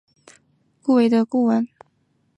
同年经中国国际广播出版社雇为顾问。